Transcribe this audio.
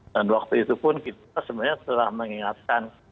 dan waktu itu pun kita sebenarnya telah mengingatkan